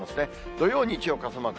土曜、日曜、傘マーク。